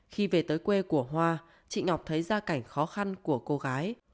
khi về tới quê của hoa chị ngọc thấy gia cảnh khó khăn của cô gái